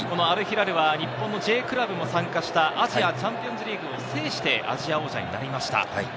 アルヒラルは日本のＪクラブも参加したアジアチャンピオンズリーグを制してアジア王者になりました。